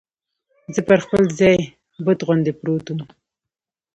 زه پر خپل ځای بت غوندې پروت ووم.